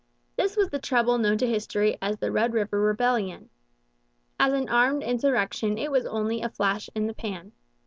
This was the trouble known to history as the Red River Rebellion. As an armed insurrection it was only a flash in the pan.